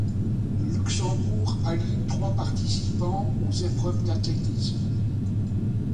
Le Luxembourg aligne trois participants aux épreuves d'athlétisme.